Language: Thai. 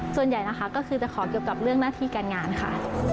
ส่วนใหญ่นะคะก็คือจะขอเกี่ยวกับเรื่องหน้าที่การงานค่ะ